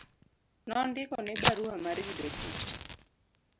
Nondikone barua mar yudo tich